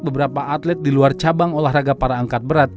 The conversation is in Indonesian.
beberapa atlet di luar cabang olahraga para angkat berat